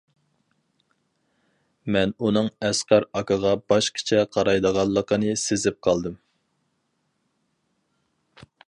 مەن ئۇنىڭ ئەسقەر ئاكىغا باشقىچە قارايدىغانلىقىنى سېزىپ قالدىم.